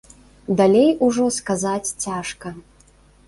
Далей ужо сказаць цяжка.